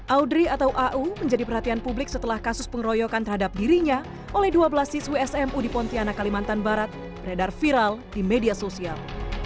audrey atau au menjadi perhatian publik setelah kasus pengeroyokan terhadap dirinya oleh dua belas siswi smu di pontianak kalimantan barat beredar viral di media sosial